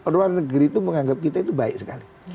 luar negeri itu menganggap kita itu baik sekali